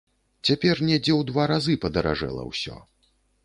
Цяпер недзе ў два разы падаражэла ўсё.